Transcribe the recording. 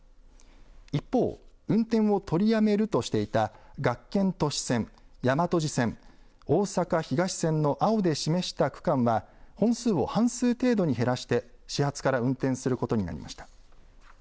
一方、運転を取りやめるとしていた学研都市線、大和路線、おおさか東線の青で示した区間は本数を半数程度に減らして始発から運転することになりました。